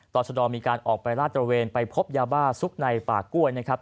ชะดอมีการออกไปลาดตระเวนไปพบยาบ้าซุกในป่ากล้วยนะครับ